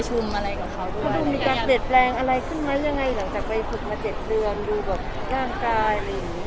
ดูมีการเจ็ดแรงอะไรขึ้นไหมหลังจากไปฝึกมาเจ็ดเรืองดูร่างกาย